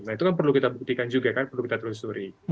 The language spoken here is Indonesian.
nah itu kan perlu kita buktikan juga kan perlu kita telusuri